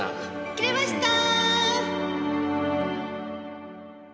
切れましたー！